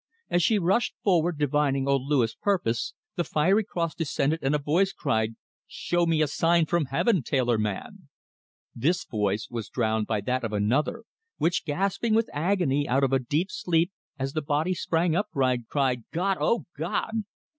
As she rushed forward, divining old Louis' purpose, the fiery cross descended, and a voice cried: "'Show me a sign from Heaven, tailor man!'" This voice was drowned by that of another, which, gasping with agony out of a deep sleep, as the body sprang upright, cried: "God oh God!"